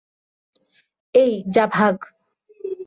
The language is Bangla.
এই, যা ভাগ!